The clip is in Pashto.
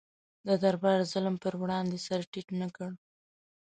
د دربار ظلم پر وړاندې سر ټیټ نه کړ.